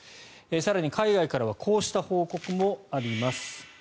更に海外からはこうした報告もあります。